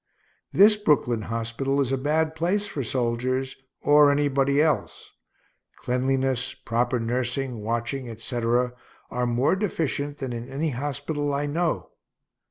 This Brooklyn hospital is a bad place for soldiers, or anybody else. Cleanliness, proper nursing, watching, etc., are more deficient than in any hospital I know.